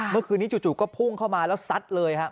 เมื่อคืนนี้จู่ก็พุ่งเข้ามาแล้วซัดเลยฮะ